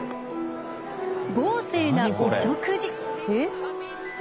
豪勢なお食事。